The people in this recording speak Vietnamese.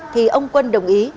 thì ông quân đồng ý